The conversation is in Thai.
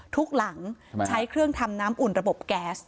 หลังใช้เครื่องทำน้ำอุ่นระบบแก๊ส